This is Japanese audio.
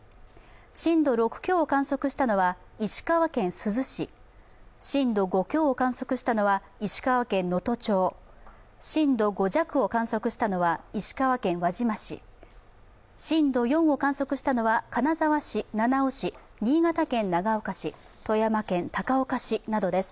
震度６強を観測したのは石川県珠洲市、震度５強を観測したのは石川県能登町、震度５弱を観測したのは石川県輪島市震度４を観測したのは金沢市、七尾市、新潟県長岡市、富山県高岡市などです。